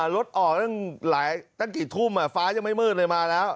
รถออกตั้งกี่ทุ่มฟ้ายังไม่มืดเลยมาแล้ว